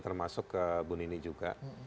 termasuk ke bu nini juga